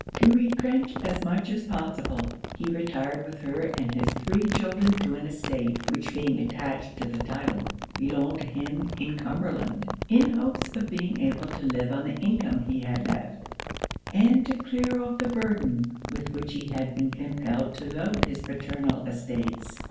'To retrench as much as possible, he retired with her and his three children to an estate, which being attached to the title, belonged to him in Cumberland; in hopes of being able to live on the income he had left, and to clear off the burden with which he had been compelled to load his paternal estates.